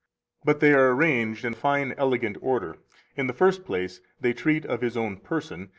But they are arranged in fine [elegant] order. In the first place, they treat of his own person.